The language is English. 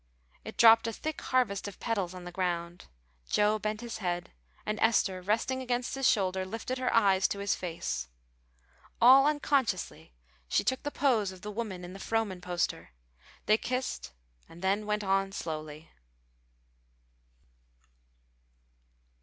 It dropped a thick harvest of petals on the ground. Joe bent his head; and Esther, resting against his shoulder, lifted her eyes to his face. All unconsciously she took the pose of the woman in the Frohman poster. They kissed, and then went on slowly.